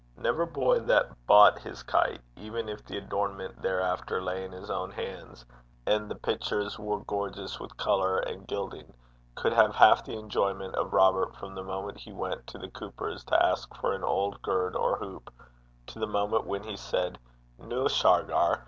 Never boy that bought his kite, even if the adornment thereafter lay in his own hands, and the pictures were gorgeous with colour and gilding, could have half the enjoyment of Robert from the moment he went to the cooper's to ask for an old gird or hoop, to the moment when he said 'Noo, Shargar!'